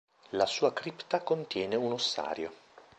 La sua cripta contiene un ossario.